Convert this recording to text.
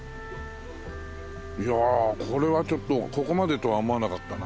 いやこれはちょっとここまでとは思わなかったな。